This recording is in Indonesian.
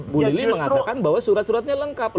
bu lili mengatakan bahwa surat suratnya lengkap